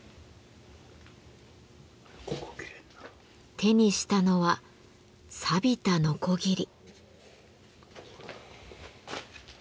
手にしたのはさびたのこぎり。